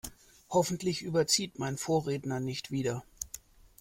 Hoffentlich überzieht mein Vorredner nicht wieder.